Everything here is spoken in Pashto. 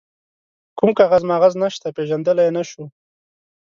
کوم کاغذ ماغذ نشته، پيژندلای يې نه شو.